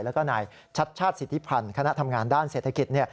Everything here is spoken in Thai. แล้วก็นายชัดชาติสิทธิพันธ์คณะทำงานด้านเศรษฐกิจ